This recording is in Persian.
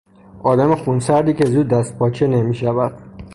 آدم خونسردی که زود دستپاچه نمیشود